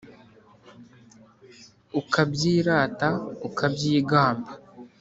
Ukabyirata ukabyigamba